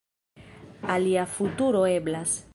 Alia futuro eblas.